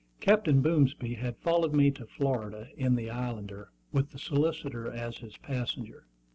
Captain Boomsby had followed me to Florida in the Islander, with the solicitor as his passenger.